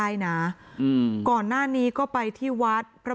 ลักษณ์มากกว่า